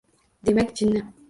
— Demak, jinni!